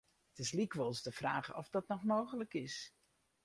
It is lykwols de fraach oft dat mooglik is.